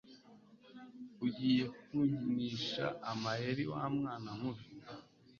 Ugiye kunkinisha amayeri wa mwana mubi